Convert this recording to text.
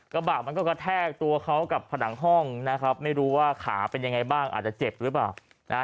กระบะมันก็กระแทกตัวเขากับผนังห้องนะครับไม่รู้ว่าขาเป็นยังไงบ้างอาจจะเจ็บหรือเปล่านะฮะ